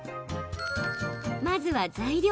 まずは材料。